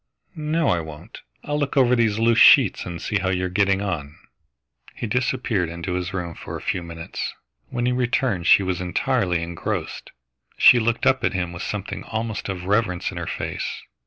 No, I won't, I'll look over these loose sheets and see how you are getting on." He disappeared into his room for a few minutes. When he returned she was entirely engrossed. She looked up at him with something almost of reverence in her face.